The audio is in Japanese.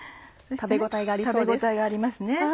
食べ応えがありますね。